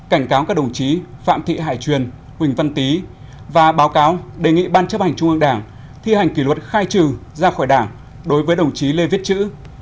cảnh cáo các đồng chí phạm thị hải truyền quỳnh văn tý và báo cáo đề nghị ban chấp hành trung ương đảng thi hành kỷ luật khai trừ ra khỏi đảng đối với đồng chí lê viết chữ